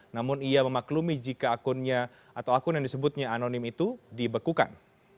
namun ia memaklumi jika akunnya atau akun yang disebutnya anonim itu dibekukan